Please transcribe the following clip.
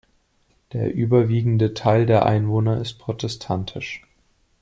Der überwiegende Teil der Einwohner ist protestantisch.